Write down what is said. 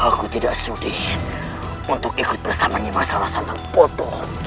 aku tidak sedih untuk ikut bersama nyilas alasan yang bodoh